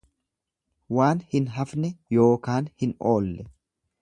Waan hin hafne yookaan hin oolle.